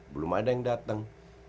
belum ada yang dateng